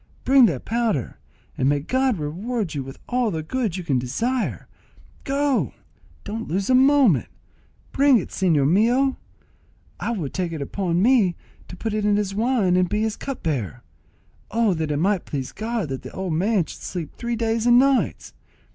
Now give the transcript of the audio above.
bring that powder, and may God reward you with all the good you can desire. Go! don't lose a moment—bring it, señor mio; I will take it upon me to put it in his wine and to be his cupbearer. Oh, that it might please God that the old man should sleep three days and nights!